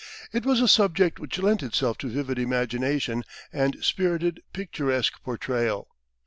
It was a subject which lent itself to vivid imagination and spirited picturesque portrayal.